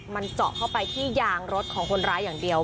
มันเจาะเข้าไปที่ยางรถของคนร้ายอย่างเดียว